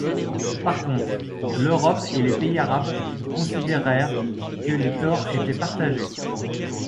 Par contre, l'Europe et les pays arabes considérèrent que les torts étaient partagés.